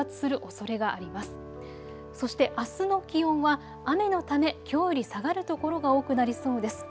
そして、あすの気温は雨のためきょうより下がる所が多くなりそうです。